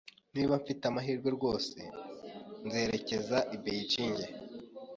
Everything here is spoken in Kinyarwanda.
Niba mfite amahirwe, rwose nzerekeza i Beijing.